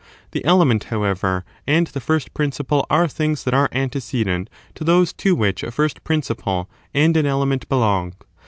The element, however, and the first principle are things that are antecedent to those to which a first principle and an element belong.